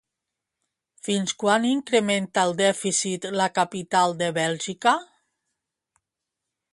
Fins quan incrementa el dèficit la capital de Bèlgica?